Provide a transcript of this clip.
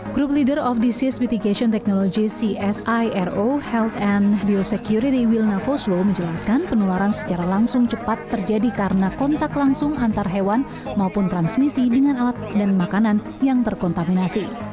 grup leader of disease mitigation technology csiro health and biosecurity wilna foslo menjelaskan penularan secara langsung cepat terjadi karena kontak langsung antar hewan maupun transmisi dengan alat dan makanan yang terkontaminasi